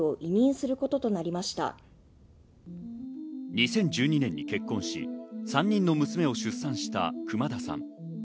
２０１２年に結婚し３人の娘を出産した熊田さん。